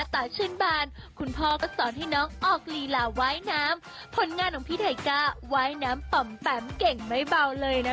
เธอเปิดออกลีลาไหวน้ำพลงานของพี่ไถ้กล้าไหวน้ำป่อมแปมเก่งไม่เบาเลยนะ